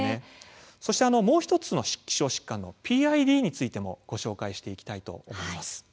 そして、もう１つの希少疾患、ＰＩＤについてもご紹介していきたいと思います。